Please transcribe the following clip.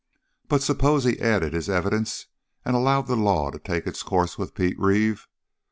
But suppose he added his evidence and allowed the law to take its course with Pete Reeve?